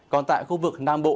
còn tại khu vực nam bộ